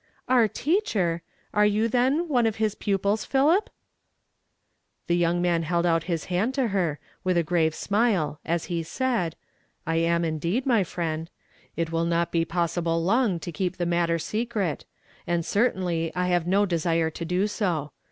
'"Our teacher!' Are you, then, one of bis pupils, Philip?" The young man held out his hand to lier, with a grave smile, as he said, '* I am indeed, my friend. "THEV OM2NKD THEIH MOUTH. n It will not be [wwHible long to keep the matter secret ; and certainly I have no desire to do so.